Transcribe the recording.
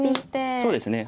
そうですね。